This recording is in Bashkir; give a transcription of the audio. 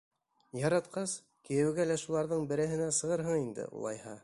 — Яратҡас, кейәүгә лә шуларҙың берәйһеңә сығырһың инде, улайһа.